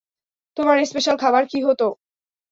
তোমার স্পেশাল খাবার কী হতো?